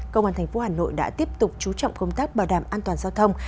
công an tp hà nội đã tiếp tục chú trọng công tác bảo đảm an toàn giao thông